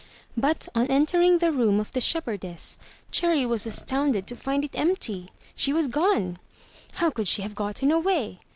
But on entering the room of the shepherdess. Cherry was astounded to find it empty! She was gone! How could she have gotten away?